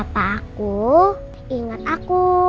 bapak aku ingat aku